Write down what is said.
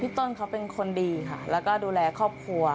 ต้นเขาเป็นคนดีค่ะแล้วก็ดูแลครอบครัว